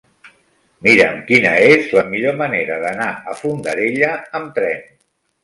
Mira'm quina és la millor manera d'anar a Fondarella amb tren.